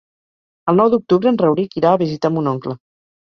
El nou d'octubre en Rauric irà a visitar mon oncle.